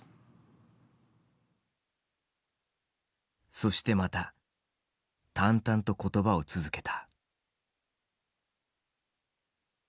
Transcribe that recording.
そしてまた淡々と言葉を続けた。